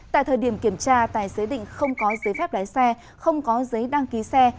tại thời điểm kiểm tra tài xế định không có giấy phép lái xe không có giấy đăng ký xe